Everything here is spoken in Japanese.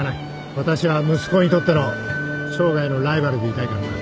私は息子にとっての生涯のライバルでいたいからな。